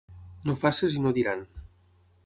No facis i no diran.